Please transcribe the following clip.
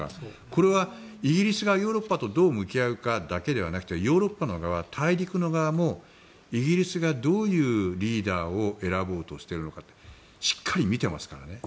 これはイギリスがヨーロッパとどう向き合うかだけではなくてヨーロッパの側、大陸の側もイギリスがどういうリーダーを選ぼうとしているのかってしっかり見てますからね。